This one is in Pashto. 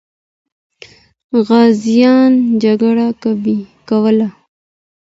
غازیان جګړه کوله.